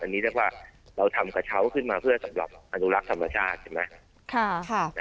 อันนี้เรียกว่าเราทำกระเช้าขึ้นมาเพื่อสำหรับอนุรักษ์ธรรมชาติใช่ไหม